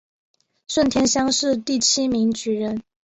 顺天乡试第七名举人。